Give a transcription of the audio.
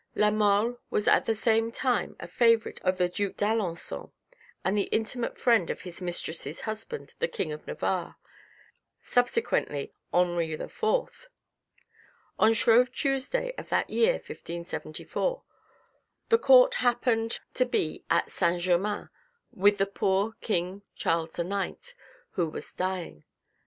La Mole was at the same time a favourite of the Duke d'Alencon and the intimate friend of his mistress's husband, the King of Navarre, subsequently Henri IV. On Shrove Tuesday of that year 1574, the court happened to be at St. Germain with the poor king Charles IX. who was dying.